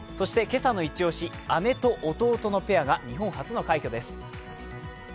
今朝の一押し、姉と弟のペアが日本初の快挙です。